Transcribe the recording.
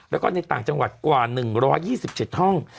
แล้วก็ในต่างจังหวัดกว่า๑๒๗ห้อง